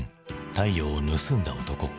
「太陽を盗んだ男」。